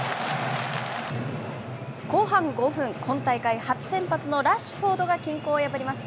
後半５分、今大会初先発のラッシュフォードが均衡を破ります。